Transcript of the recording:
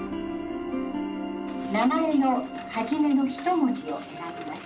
「名前の初めの１文字を選びます。